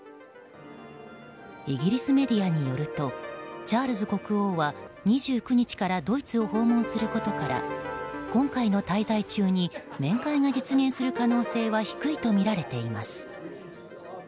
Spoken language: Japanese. イギリスメディアによるとチャールズ国王は２９日からドイツを訪問することから今回の滞在中に面会が実現する可能性は低いとみられています。